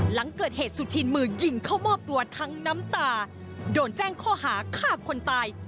หลังเกิดเหตุสุธินมือยิงเข้ามอบตัวทั้งน้ำตาโดนแจ้งข้อหาฆ่าคนตาย